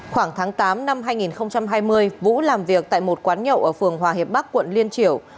khoảng tháng tám năm hai nghìn hai mươi vũ làm việc tại một quán nhậu ở phường hòa hiệp bắc quận liên triểu